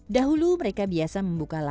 dahulu mereka biasa membuka lapangan